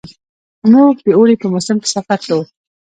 موږ د اوړي په موسم کې سفر کوو.